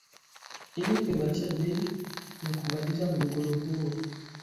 ili kuimarisha bei na kumaliza mgogoro huo